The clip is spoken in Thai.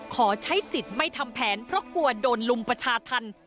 ขอใช้สิทธิ์ไม่ทำแผนเพราะกลัวโดนลุมประชาธรรม